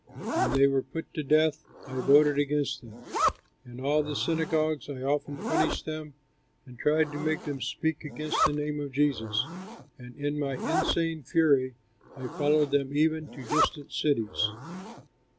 When they were put to death, I voted against them. In all the synagogues I often punished them and tried to make them speak against the name of Jesus, and in my insane fury I followed them even to distant cities.